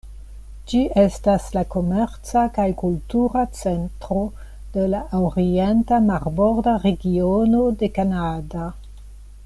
Ĝi estas la komerca kaj kultura centro de la orienta marborda regiono de Kanada.